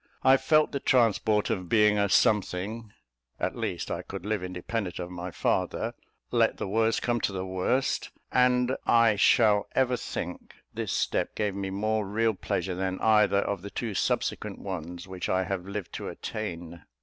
I felt the transport of being a something: at least, I could live independent of my father, let the worst come to the worst; and I shall ever think this step gave me more real pleasure than either of the two subsequent ones which I have lived to attain.